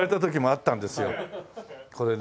これね。